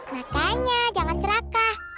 makanya jangan serakah